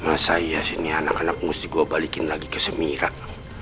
masa iya sih nih anak anak musti gua balikin lagi ke semirak